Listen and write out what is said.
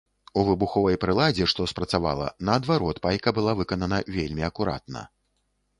У выбуховай прыладзе, што спрацавала, наадварот, пайка была выканана вельмі акуратна.